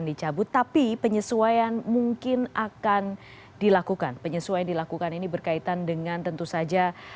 dicabut tapi penyesuaian mungkin akan dilakukan penyesuaian dilakukan ini berkaitan dengan tentu saja